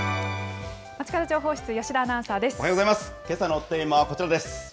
けさのテーマはこちらです。